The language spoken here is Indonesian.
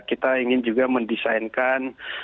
kita ingin juga mendesainkan